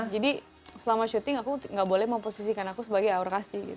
jadi selama shooting aku nggak boleh memposisikan aku sebagai aura kasih